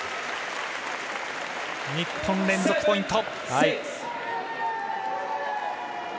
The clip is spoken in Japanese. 日本、連続ポイント。